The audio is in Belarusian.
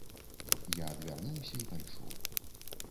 Я адвярнуўся і пайшоў.